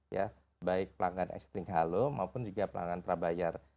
ya baik pelanggan ekstrim halo maupun juga pelanggan prabayar